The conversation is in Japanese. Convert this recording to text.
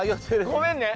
ごめんね。